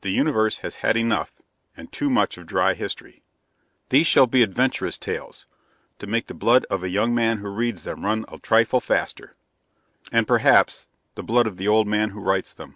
The universe has had enough and too much of dry history; these shall be adventurous tales to make the blood of a young man who reads them run a trifle faster and perhaps the blood of the old man who writes them.